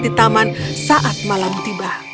di taman saat malam tiba